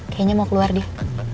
kayaknya mau keluar dia